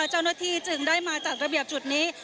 เจ้าหน้าที่จึงได้มาจัดระเบียบจุดนี้